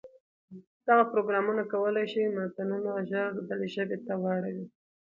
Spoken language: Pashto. دغه پروګرامونه کولای شي متنونه ژر بلې ژبې ته واړوي.